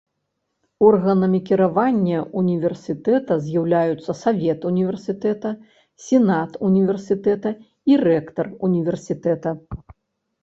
Органамі кіравання ўніверсітэта з'яўляюцца савет універсітэта, сенат універсітэта і рэктар універсітэта.